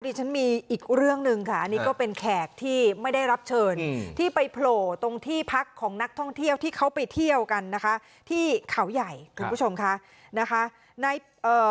ดิฉันมีอีกเรื่องหนึ่งค่ะอันนี้ก็เป็นแขกที่ไม่ได้รับเชิญที่ไปโผล่ตรงที่พักของนักท่องเที่ยวที่เขาไปเที่ยวกันนะคะที่เขาใหญ่คุณผู้ชมค่ะนะคะในเอ่อ